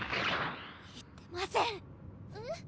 言ってませんえっ？